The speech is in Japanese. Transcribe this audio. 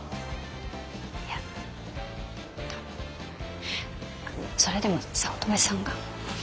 いや多分それでも早乙女さんが。